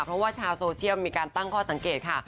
เพราะว่าชาวโซเชียลมีการตั้งข้อสังเกตค่ะ